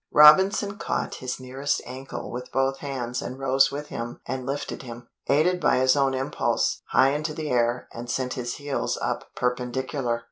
Robinson caught his nearest ankle with both hands and rose with him and lifted him, aided by his own impulse, high into the air and sent his heels up perpendicular.